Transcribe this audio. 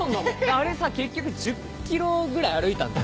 あれさ結局１０ｋｍぐらい歩いたんだよね。